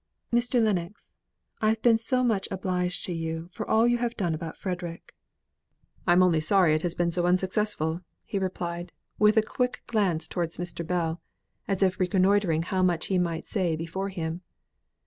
"Mr. Lennox, I have been so much obliged to you for all you have done about Frederick." "I am only sorry it has been so unsuccessful," replied he, with a quick glance towards Mr. Bell, as if reconnoitring how much he might say before him.